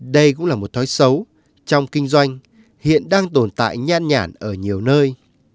đây cũng là một thói xấu trong kinh doanh hiện đang tồn tại nhan nhản ở nhiều nơi